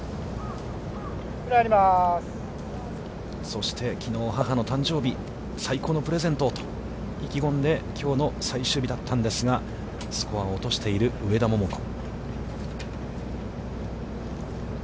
そして、きのう母の誕生日、最高のプレゼントをと意気込んできょうの最終日だったんですが、スコアを落としている上田桃子。